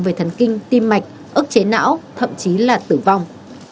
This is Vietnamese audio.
về thần kinh tim mạch ức chế não thậm chí là tử vong